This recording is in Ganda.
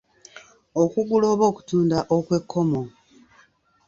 Okugula oba okutunda okw'ekkomo.